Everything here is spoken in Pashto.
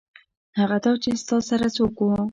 هغه دا چې ستا سره څوک وو.